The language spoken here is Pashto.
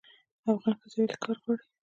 افغان ښځې ولې کار غواړي؟